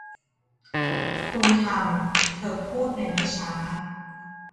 คุณทำเธอพูดในไม่ช้า